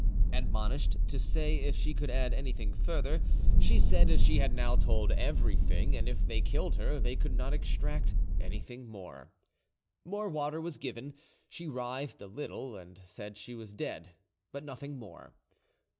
"Admonished to say if she could add anything further, she said she had now told everything; and if they killed her, they could not extract anything more. "More water was given; she writhed a little, and said she was dead, but nothing more.